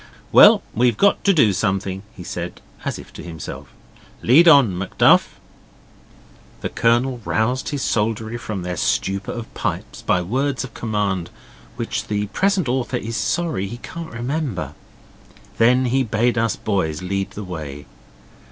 'Well, we've got to do something,' he said, as if to himself. 'Lead on, Macduff.' The Colonel roused his soldiery from their stupor of pipes by words of command which the present author is sorry he can't remember. Then he bade us boys lead the way.